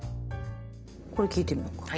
これ聴いてみようか。